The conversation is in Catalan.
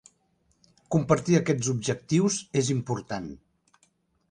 Compartir aquests objectius és important.